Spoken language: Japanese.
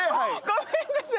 ごめんなさい！